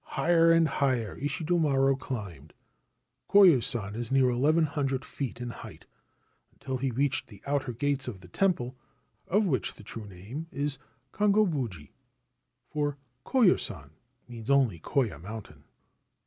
Higher and higher Ishidomaro climbed — Koya San is near noo feet in height — until he reached the outer gates of the temple, of which the true name is ' Kongobuji/ for ' Koya San ' means only ' Koya Mountain.'